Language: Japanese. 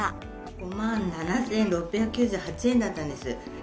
５万７６９８円だったんです。